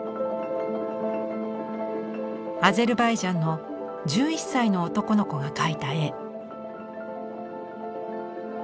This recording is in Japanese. アゼルバイジャンの１１歳の男の子が描いた絵。